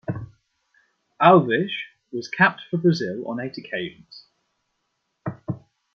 Alves was capped for Brazil on eight occasions.